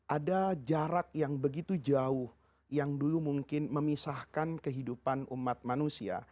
ada jarak yang begitu jauh yang dulu mungkin memisahkan kehidupan umat manusia